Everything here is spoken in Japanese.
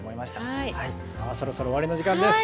さあそろそろ終わりの時間です。